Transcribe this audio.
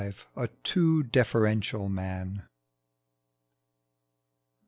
A TOO DEFERENTIAL MAN.